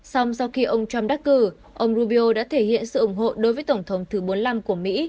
xong do khi ông trump đắc cử ông rubio đã thể hiện sự ủng hộ đối với tổng thống thứ bốn mươi năm của mỹ